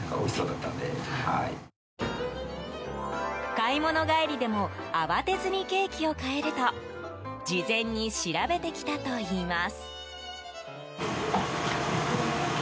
買い物帰りでも慌てずにケーキを買えると事前に調べてきたといいます。